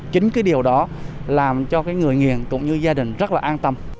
chính điều đó làm cho người nghiện cũng như gia đình rất là an tâm